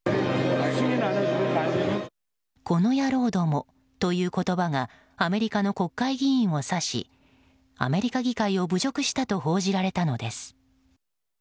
この野郎どもという言葉がアメリカの国会議員をさしアメリカ議会を侮辱したと報じられたのです。